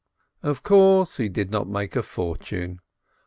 Of course, he did not make a fortune.